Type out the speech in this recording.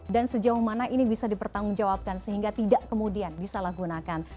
dan sejauh mana ini bisa dipertanggungjawabkan sehingga tidak kemudian disalahgunakan